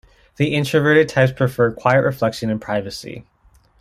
The introverted types prefer quiet reflection and privacy.